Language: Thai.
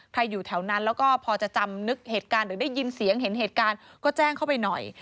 อยู่แถวนั้นแล้วก็พอจะจำนึกเหตุการณ์หรือได้ยินเสียงเห็นเหตุการณ์ก็แจ้งเข้าไปหน่อย